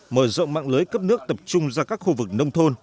mở rộng mạng lưới cấp nước tập trung ra các khu vực nông thôn